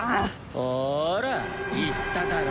ほら言っただろ？